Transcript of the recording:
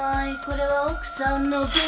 これは奥さんの分。